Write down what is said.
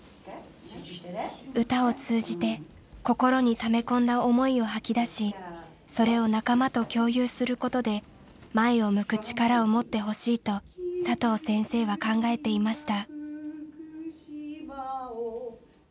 歌を通じて心にため込んだ思いを吐き出しそれを仲間と共有することで前を向く力を持ってほしいと佐藤先生は考えていました。